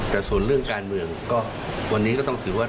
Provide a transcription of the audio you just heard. แต่ส่วนเรื่องการเมืองก็วันนี้ก็ต้องถือว่า